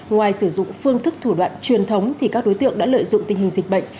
ngoài sử dụng phương thức thủ đoạn truyền thống thì các đối tượng đã lợi dụng tình hình dịch bệnh